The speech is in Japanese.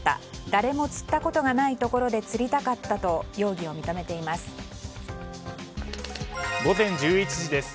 誰も釣ったことがないところで釣りたかったと容疑を認めています。